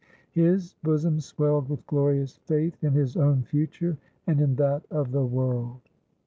His bosom swelled with glorious faith in his own future and in that of the world.